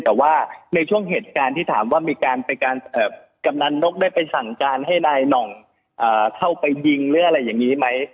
แต่ว่าในช่วงเหตุการณ์ที่ถามว่ามีการกำนันนกได้ไปสั่งการให้นายหน่องเข้าไปยิงหรืออะไรอย่างนี้ไหม